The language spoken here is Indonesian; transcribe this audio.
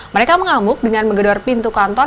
mereka mengamuk dengan menggedor pintu kantor